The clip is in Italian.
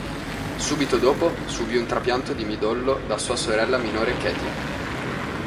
Subito dopo, subì un trapianto di midollo da sua sorella minore Katie.